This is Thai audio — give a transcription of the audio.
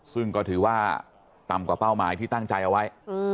ซึ่งก็ถือว่าต่ำกว่าเป้าหมายที่ตั้งใจเอาไว้